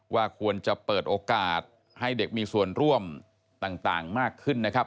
ว่าควรจะเปิดโอกาสให้เด็กมีส่วนร่วมต่างมากขึ้นนะครับ